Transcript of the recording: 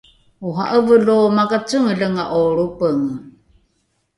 ora’eve lo makacengelenga’o lropenge